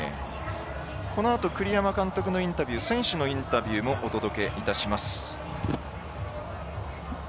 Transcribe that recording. このあと栗山監督のインタビュー選手のインタビューもお届けいたします。